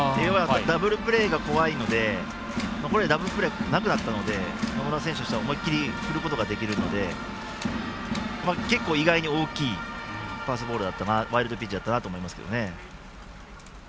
ダブルプレーが怖いのでなくなったので野村選手としては思いっきり振ることができるので結構、意外に大きいワイルドピッチだったなと思いますね。